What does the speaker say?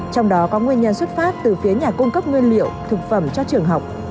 trong đó có nguyên nhân xuất phát từ phía nhà cung cấp nguyên liệu thực phẩm cho trường học